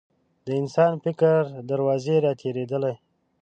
د انسان د فکر دروازې راتېرېدلې.